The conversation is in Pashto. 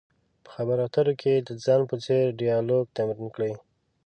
په خبرو اترو کې د ځان په څېر ډیالوګ تمرین کړئ.